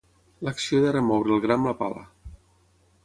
L'acció de remoure el gra amb la pala.